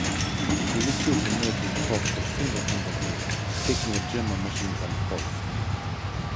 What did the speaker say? He received the Military Cross for single-handedly taking a German machine-gun post.